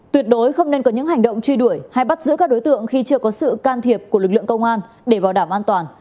tuyệt đối không nên có những hành động truy đuổi hay bắt giữ các đối tượng khi chưa có sự can thiệp của lực lượng công an để bảo đảm an toàn